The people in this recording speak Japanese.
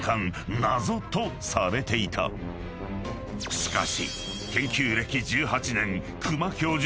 ［しかし］